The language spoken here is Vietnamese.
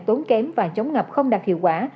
tốn kém và chống ngập không đạt hiệu quả